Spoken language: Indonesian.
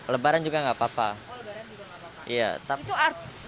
lebaran juga nggak apa apa